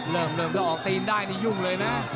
เริ่มเริ่มมันออกตีนได้เนี่ยยุ่งเลยน๊ะ